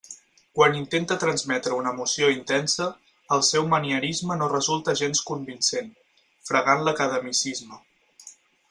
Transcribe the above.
Quan intenta transmetre una emoció intensa, el seu manierisme no resulta gens convincent, fregant l'academicisme.